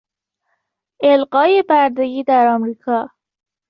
الغای بردگی در امریکا